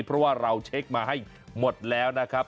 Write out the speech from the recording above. เพราะว่าเราเช็คมาให้หมดแล้วนะครับ